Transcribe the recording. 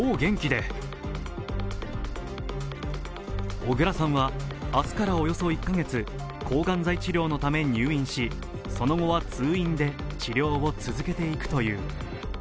小倉さんは明日からおよそ１カ月、抗がん剤治療のため入院しその後は通院で治療を続けていくという。